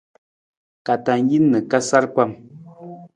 Ka tang jin na ka sar pam.